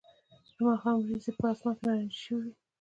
د ماښام وریځې په آسمان کې نارنجي شوې وې